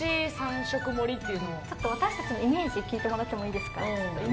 ちょっと私たちのイメージ聞いてもらってもいいですか。